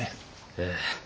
ええ。